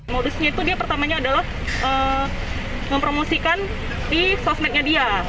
modusnya itu dia pertamanya adalah mempromosikan di sosmednya dia